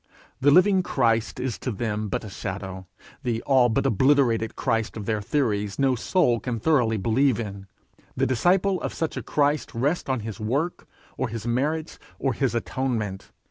The living Christ is to them but a shadow; the all but obliterated Christ of their theories no soul can thoroughly believe in: the disciple of such a Christ rests on his work, or his merits, or his atonement!